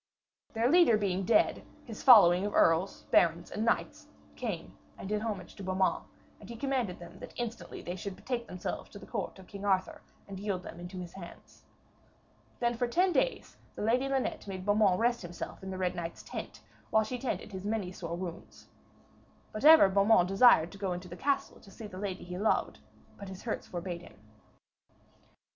Their leader being dead, his following of earls, barons and knights came and did homage to Beaumains, and he commanded that instantly they should betake themselves to the court of King Arthur and yield them into his hands. Then for ten days the Lady Linet made Beaumains rest him in the Red Knight's tent, while she tended his many sore wounds. But ever Beaumains desired to go into the castle to see the lady he loved, but his hurts forbade him.